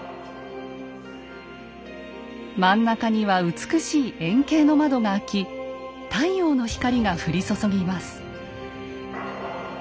真ん中には美しい円形の窓が開き太陽の光が降り注ぎます。